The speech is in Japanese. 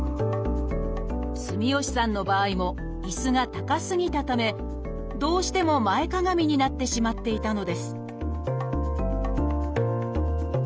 住吉さんの場合も椅子が高すぎたためどうしても前かがみになってしまっていたのです